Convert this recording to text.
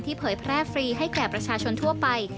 เผยแพร่ฟรีให้แก่ประชาชนทั่วไป